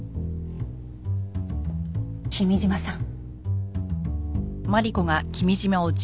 君嶋さん。